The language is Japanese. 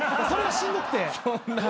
それがしんどくて。